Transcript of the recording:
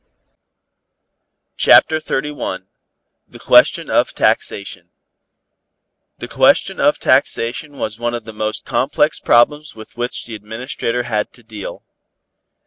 CHAPTER XXXI THE QUESTION OF TAXATION The question of taxation was one of the most complex problems with which the Administrator had to deal.